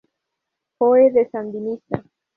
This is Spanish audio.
Joe" de "Sandinista!".